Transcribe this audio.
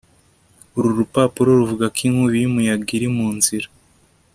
Uru rupapuro ruvuga ko inkubi yumuyaga iri mu nzira